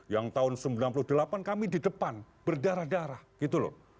yang tahun sembilan puluh delapan kami di depan berdarah darah gitu loh